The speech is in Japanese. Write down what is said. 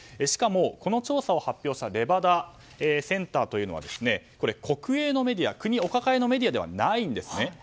しかも、この調査を発表したレバダ・センターというのは国営のメディア、国おかかえのメディアではないんですね。